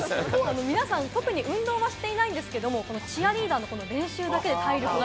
皆さん特に運動していないんですけど、チアリーダーの練習だけで。